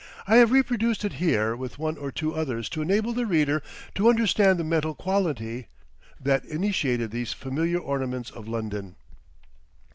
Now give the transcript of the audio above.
I have reproduced it here with one or two others to enable the reader to understand the mental quality that initiated these familiar ornaments of London.